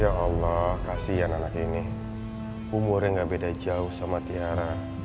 ya allah kasian anak ini umurnya gak beda jauh sama tiara